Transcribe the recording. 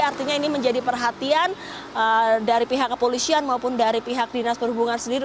artinya ini menjadi perhatian dari pihak kepolisian maupun dari pihak dinas perhubungan sendiri